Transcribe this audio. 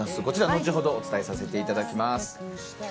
こちら、後ほどお伝えさせていただきます。